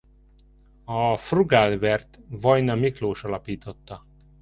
A Frugalware-t Vajna Miklós alapította.